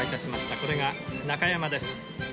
これが中山です。